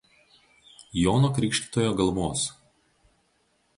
Jono Krikštytojo galvos.